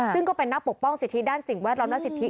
ซึ่งก็เป็นนักปกป้องสิทธิด้านสิ่งแวดล้อมและสิทธิ